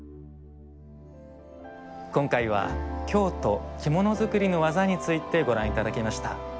今回は「京都着物づくりの技」についてご覧頂きました。